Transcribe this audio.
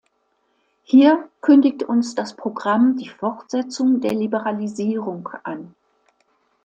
Hier kündigt uns das Programm die Fortsetzung der Liberalisierung an.